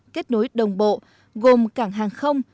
kết nối đồng bộ gồm cảng hàng không